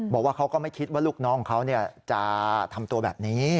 บอกว่าเขาก็ไม่คิดว่าลูกน้องของเขาจะทำตัวแบบนี้